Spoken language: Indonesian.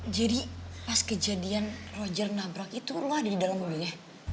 jadi pas kejadian roger nabrak itu lo ada di dalam mobilnya